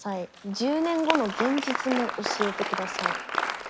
１０年後の現実も教えてください」。